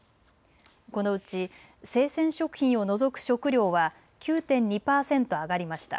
このうち生鮮食品を除く食料は９．２％上がりました。